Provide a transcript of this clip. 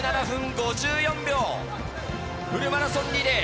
フルマラソンリレー